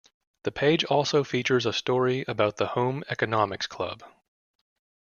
The page also featured a story about the Home Economics Club.